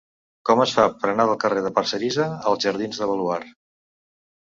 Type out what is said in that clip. Com es fa per anar del carrer de Parcerisa als jardins del Baluard?